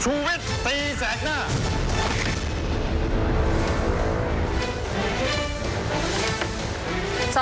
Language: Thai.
ชุวิตตีแสงหน้า